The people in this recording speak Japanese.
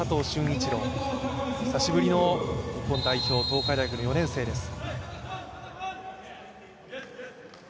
駿一郎、久しぶりの日本代表、東海大学の４年生です。